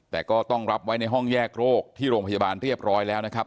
แต่ก็ต้องรับไว้ในห้องแยกโรคที่โรงพยาบาลเรียบร้อยแล้วนะครับ